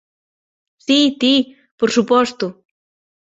Si, ti! Por suposto!